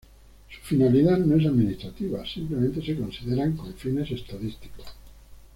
Su finalidad no es administrativa, simplemente se consideran con fines estadísticos.